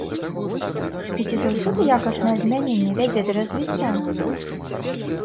І ці заўсёды якаснае змяненне вядзе да развіцця?